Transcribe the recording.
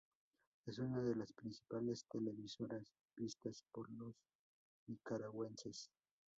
Es una de las principales televisoras vistas por los nicaragüenses.